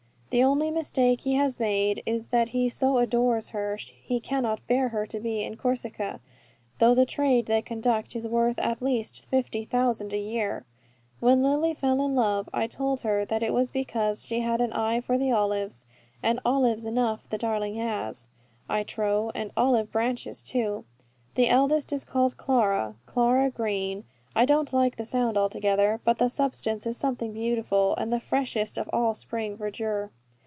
The only mistake he has made is that he so adores her, he cannot bear her to be in Corsica; though the trade they conduct is worth at least fifty thousand a year. When Lily fell in love, I told her that it was because she had an eye for the olives; and olives enough the darling has, I trow, and olive branches too. The eldest is called Clara. "Clara Green!" I don't like the sound altogether; but the substance is something beautiful, and the freshest of all Spring verdure.